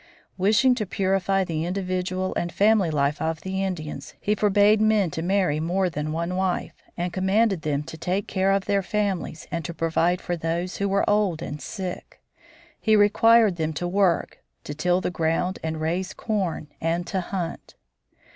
Wishing to purify the individual and family life of the Indians, he forbade men to marry more than one wife, and commanded them to take care of their families and to provide for those who were old and sick. He required them to work, to till the ground and raise corn, and to hunt.